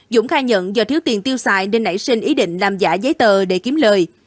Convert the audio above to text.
dũng khai nhận do thiếu tiền tiêu xài nên nảy sinh ý định làm giả giấy tờ để kiếm lời